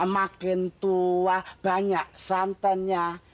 makin tua banyak santannya